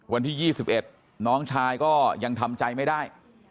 วันที่๒๑น้องชายก็ยังทำใจไม่ได้